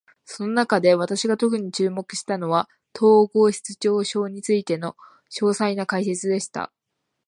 その中で、私が特に注目したのは、統合失調症についての詳細な解説でした。